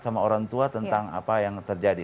sama orang tua tentang apa yang terjadi